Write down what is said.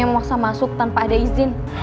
yang memaksa masuk tanpa ada izin